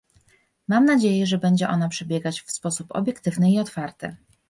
Mam nadzieję, że będzie ona przebiegać w sposób obiektywny i otwarty